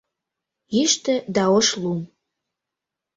Йӱштӧ да ош лум.